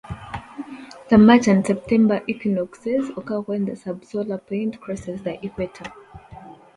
The March and September equinoxes occur when the subsolar point crosses the equator.